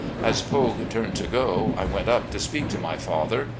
As Poague turned to go, I went up to speak to my father.